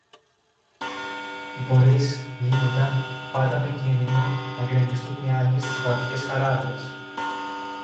Οι πορείες γίνουνταν πάντα με κίνδυνο να γκρεμιστούν οι άντρες στις βαθιές χαράδρες